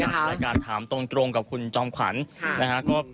รายการถามตรงกับคุณจอมขวัญนะฮะ